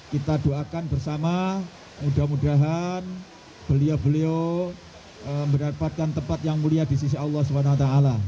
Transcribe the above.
kita doakan bersama mudah mudahan beliau beliau mendapatkan tempat yang mulia di sisi allah swt